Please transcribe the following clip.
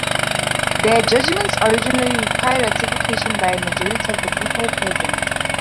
Their judgments originally required ratification by a majority of the people present.